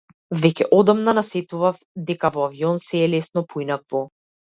Веќе одамна насетував дека во авион сѐ е лесно, поинакво.